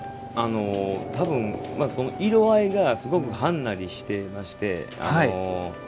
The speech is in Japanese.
たぶん、色合いがすごくはんなりしていまして。